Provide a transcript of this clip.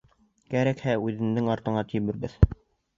Кәрәкһә, үҙеңдең артыңа тибербеҙ!